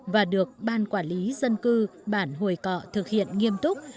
và được ban quản lý dân cư bản hồi cọ thực hiện nghiêm túc